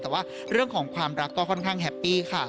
แต่ว่าเรื่องของความรักก็ค่อนข้างแฮปปี้ค่ะ